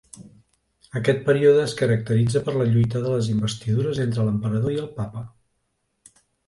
Aquest període es caracteritza per la lluita de les investidures entre l'Emperador i el Papa.